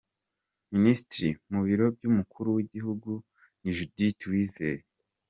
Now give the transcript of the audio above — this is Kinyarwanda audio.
Ministre mu biro by’umukuru w’igihugu ni Judith Uwizeye